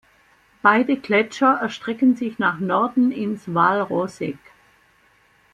Beide Gletscher erstrecken sich nach Norden ins Val Roseg.